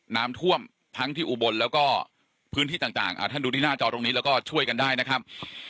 น้ำท่วมทั้งที่อุบลแล้วก็พื้นที่ต่างท่านดูที่หน้าจอตรงนี้แล้วก็ช่วยกันได้นะครับ